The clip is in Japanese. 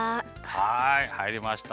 はいはいりました！